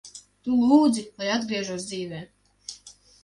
Tu lūdzi, lai atgriežos dzīvē.